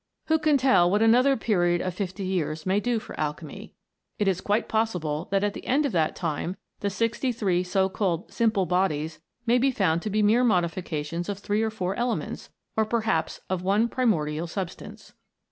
Who can tell what another period of fifty years may do for alchemy ? It is quite possible that at the end of that time the sixty three so called simple bodies may be found to be mere modifications of three or four elements, or perhaps of one primordial substance.